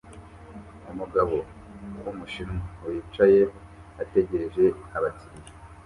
umugabo wumushinwa wicaye ategereje abakiriya